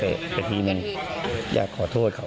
แล้วก็เกะกระทีมืออยากขอโทษเขา